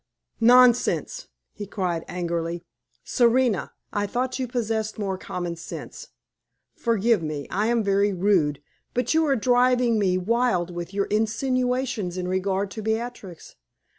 "Nonsense!" he cried, angrily. "Serena, I thought you possessed more common sense. Forgive me I am very rude; but you are driving me wild with your insinuations in regard to Beatrix.